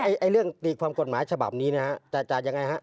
ไอ้เรื่องตีความกฎหมายฉบับนี้นะฮะแต่จะยังไงฮะ